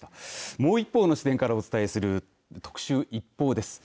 もう一方の視点からお伝えする特集ＩＰＰＯＵです。